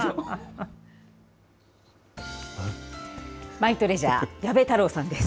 マイトレジャー、矢部太郎さんです。